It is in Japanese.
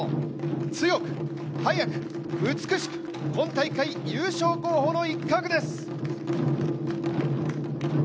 強く、速く、美しく、今大会優勝候補の一角です。